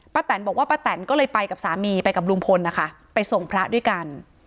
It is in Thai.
แตนบอกว่าป้าแตนก็เลยไปกับสามีไปกับลุงพลนะคะไปส่งพระด้วยกัน